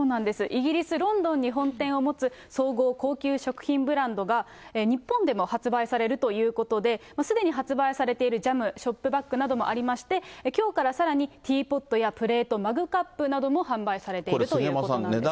イギリス・ロンドンに本店を持つ、総合高級食品ブランドが、日本でも発売されるということで、すでに発売されているジャム、ショップバッグなどもありまして、きょうからさらにティーポットやプレート、マグカップなどが販売されているということなんです。